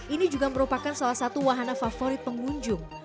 ini juga merupakan salah satu wahana favorit pengunjung